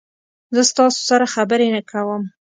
زه تاسو سره خبرې کوم.